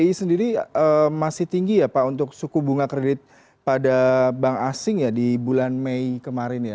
bi sendiri masih tinggi ya pak untuk suku bunga kredit pada bank asing ya di bulan mei kemarin ya